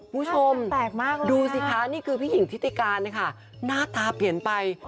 ผู้ชมดูสิคะนี่คือพี่หญิงศิษย์ธิการนะคะหน้าตาเปลี่ยนไป